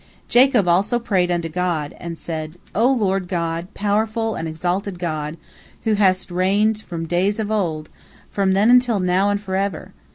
Jacob also prayed unto God, and said: "O Lord God, powerful and exalted God, who hast reigned from days of old, from then until now and forever!